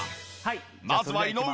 まずは井上。